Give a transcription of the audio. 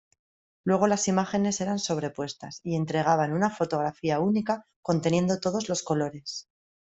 Luego las imágenes eran sobrepuestas y entregaban una fotografía única conteniendo todos los colores.